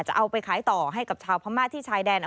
จะเอาไปขายต่อให้กับชาวพม่าที่ชายแดน